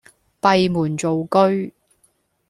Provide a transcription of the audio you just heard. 閉門造車